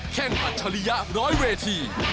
แค่งอัจฉริยะร้อยเวที